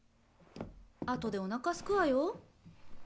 あとでおなかすくわよ。